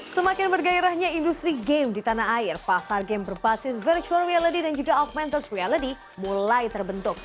semakin bergairahnya industri game di tanah air pasar game berbasis virtual reality dan juga augmented reality mulai terbentuk